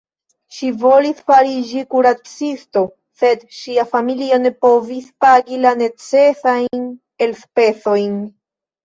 Ŝi volis fariĝi kuracisto, sed ŝia familio ne povis pagi la necesajn elspezojn.